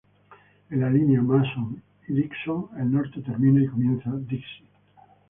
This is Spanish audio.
En la Línea Mason y Dixon, el Norte termina y comienza 'Dixie'.